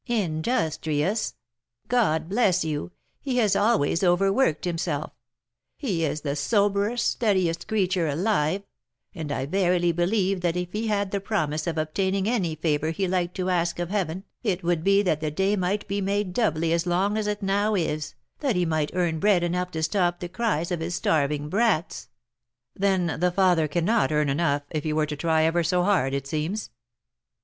"Industrious! God bless you, he has always overworked himself; he is the soberest, steadiest creature alive; and I verily believe that if he had the promise of obtaining any favour he liked to ask of Heaven, it would be that the day might be made doubly as long as it now is, that he might earn bread enough to stop the cries of his starving brats." "Then the father cannot earn enough if he were to try ever so hard, it seems?"